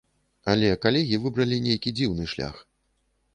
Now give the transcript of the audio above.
Але калегі выбралі нейкі дзіўны шлях.